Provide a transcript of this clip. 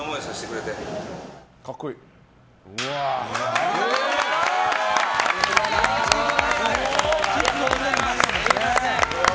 ありがとうございます！